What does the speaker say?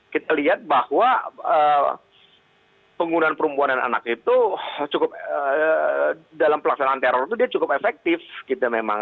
kita lihat bahwa penggunaan perempuan dan anak itu cukup dalam pelaksanaan teror itu dia cukup efektif gitu memang